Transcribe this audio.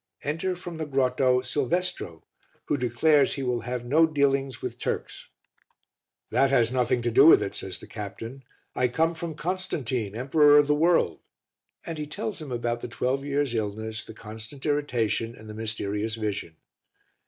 Enter, from the grotto, Silvestro who declares he will have no dealings with Turks. "That has nothing to do with it," says the captain. "I come from Constantine, Emperor of the World," and he tells him about the twelve years' illness, the constant irritation and the mysterious vision.